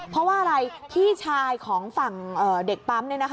เพราะว่าพี่ชายของฝั่งเด็กป๊าม